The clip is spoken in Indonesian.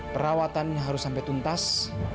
perawatan harus sampai tuntas